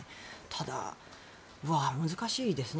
ただ、難しいですね。